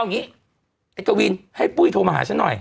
ไอ้กะวินให้ปุ้ยโทรมาหาฉันหน่อย